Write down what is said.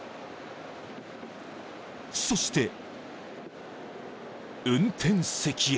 ［そして運転席へ］